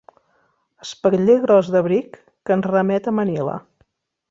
Espatller gros d'abric que ens remet a Manila.